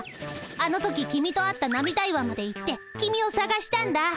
あの時君と会った涙岩まで行って君をさがしたんだ。